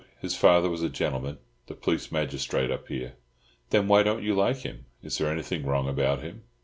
His father was a gentleman—the police magistrate up here." "Then, why don't you like him? Is there anything wrong about him?"